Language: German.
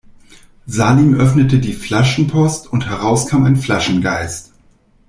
Salim öffnete die Flaschenpost und heraus kam ein Flaschengeist.